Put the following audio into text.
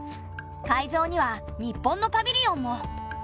会場には日本のパビリオンも。